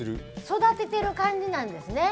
育ててる感じなんですね。